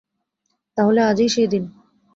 তাহলে আজই সেই দিন।